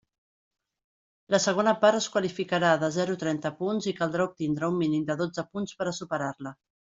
La segona part es qualificarà de zero a trenta punts i caldrà obtindre un mínim de dotze punts per a superar-la.